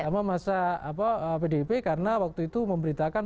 sama masa pdip karena waktu itu memberitakan